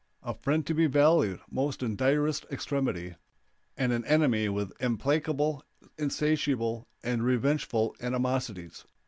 A friend to be valued most in direst extremity, and an enemy with implacable, insatiable, and revengeful animosities.